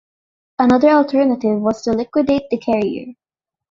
Another alternative was to liquidate the carrier.